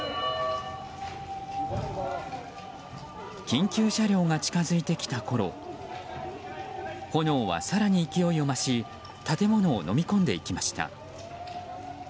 緊急車両が近づいてきたころ炎は更に勢いを増し建物をのみ込んでいきました。